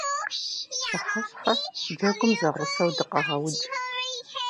Пщыхьэщхьэ джэгум зэгъусэу дыкъэгъэудж.